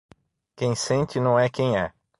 Quem sente não é quem é